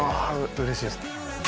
うれしいです。